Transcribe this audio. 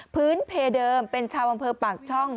พื้นเพเดิมเป็นชาวอำเภอปากช่อง